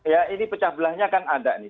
ya ini pecah belahnya kan ada nih